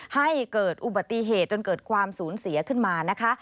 ให้เกิดอุบัติเหตุจนเกิดความสูญเสียขึ้นมานะคะ